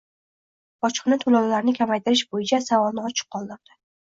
Bojxona to'lovlarini kamaytirish bo'yicha savolni ochiq qoldirdi.